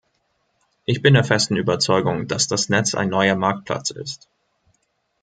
Ich bin der festen Überzeugung, dass das Netz ein neuer Marktplatz ist.